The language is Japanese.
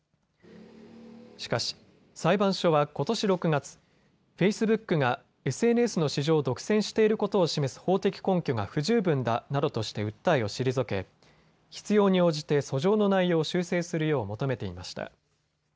しかし、裁判所はことし６月、フェイスブックがＳＮＳの市場を独占していることを示す法的根拠が不十分だなどとして訴えを退け必要に応じて訴状の内容を修正するよう求めていました。